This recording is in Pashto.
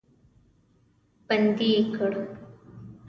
بندي یې کړ.